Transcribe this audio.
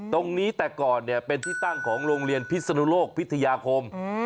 ตรงนี้แต่ก่อนเนี่ยเป็นที่ตั้งของโรงเรียนพิศนุโลกพิทยาคม